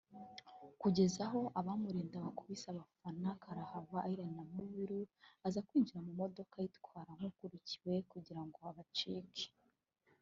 kugezaho abamurinda bakubise abafana karahava Iryn Namubiru aza kwinjira mu modoka ayitwara nk’ukurikiwe kugirango abacike